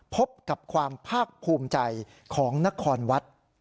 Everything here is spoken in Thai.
พบกับความภาคภูมิใจของนครวัด